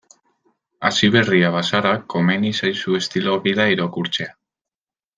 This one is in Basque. Hasiberria bazara, komeni zaizu estilo gida irakurtzea.